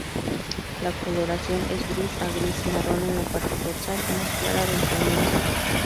La coloración es gris a gris marrón en la parte dorsal, más claro ventralmente.